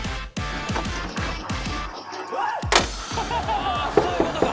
ああそういうことか。